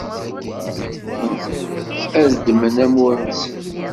nutni ad ddmen amur-nsen.